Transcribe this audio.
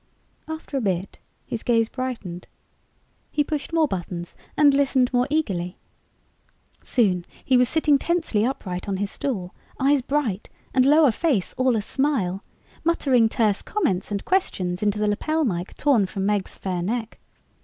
After a bit, his gaze brightened. He pushed more buttons and listened more eagerly. Soon he was sitting tensely upright on his stool, eyes bright and lower face all a smile, muttering terse comments and questions into the lapel mike torn from Meg's fair neck.